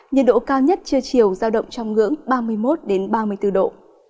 nhiệt độ cao nhất trưa chiều giao động trong ngưỡng ba mươi một ba mươi bốn độ